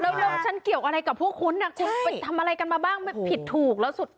เร็วฉันเกี่ยวกับพวกคุณไปทำอะไรกันมาบ้างผิดถูกแล้วสุด